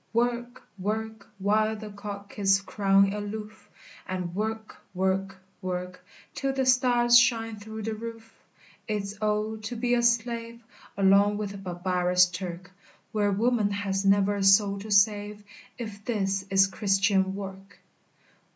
work While the cock is crowing aloof! And work work work Till the stars shine through the roof! It's, O, to be a slave Along with the barbarous Turk, Where woman has never a soul to save, If this is Christian work!